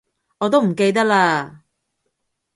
我都唔記得喇